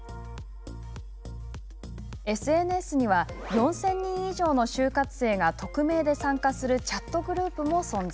ＳＮＳには４０００人以上の就活生が匿名で参加するチャットグループも存在。